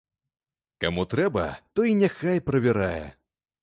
Каму трэба, той няхай правярае.